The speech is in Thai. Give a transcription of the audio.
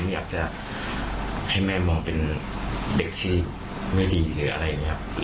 ไม่อยากจะให้แม่มองเป็นเด็กชีวิตไม่ดีหรืออะไรอย่างเงี้ยครับ